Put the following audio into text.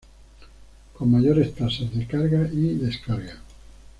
Con mayores tasas de carga y descarga.